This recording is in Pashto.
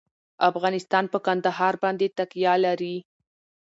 افغانستان په کندهار باندې تکیه لري.